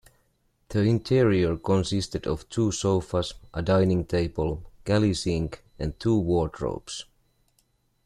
The interior consisted of two sofas, a dining table, galley sink and two wardrobes.